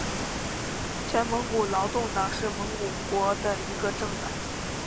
全蒙古劳动党是蒙古国的一个政党。